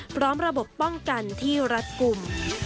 พร้อมระบบป้องกันที่รัดกลุ่ม